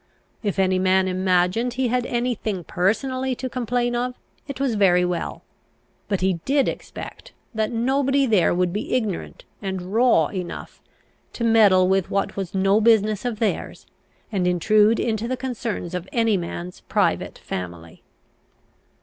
If any man imagined he had any thing personally to complain of, it was very well. But he did expect that nobody there would be ignorant and raw enough to meddle with what was no business of theirs, and intrude into the concerns of any man's private family."